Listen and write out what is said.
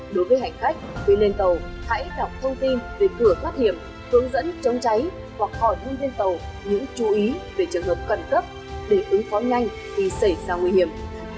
đối với hành khách tuyên lên tàu hãy đọc thông tin về cửa phát hiểm hướng dẫn chống cháy hoặc hỏi thông tin tàu những chú ý về trường hợp cần cấp để ứng phóng nhanh khi xảy ra nguy hiểm